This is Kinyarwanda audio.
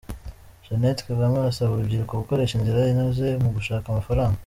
Jeannette Kagame arasaba urubyiruko gukoresha inzira inoze mu gushaka amafaranga